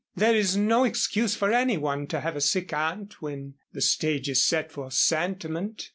There is no excuse for any one to have a sick aunt when the stage is set for sentiment.